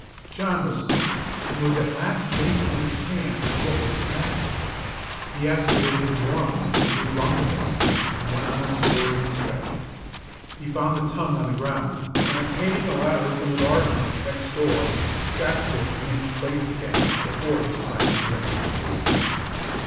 John was summoned, and was at last made to understand what was the matter. He asseverated warmly that he had rung the bell, and went on a tour of inspection. He found the tongue on the ground, and obtaining a ladder from the gardener, next door, fastened it in its place again before it was time to ring for school.